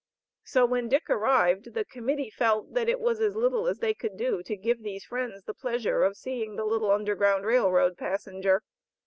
So when Dick arrived the Committee felt that it was as little as they could do, to give these friends the pleasure of seeing the little Underground Rail Road passenger.